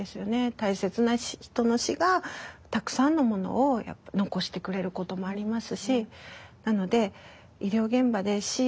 大切な人の死がたくさんのものを残してくれることもありますし。